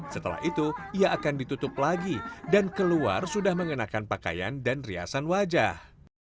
setelah itu ia akan ditutup lagi dan keluar sudah mengenakan pakaian dan riasan wajah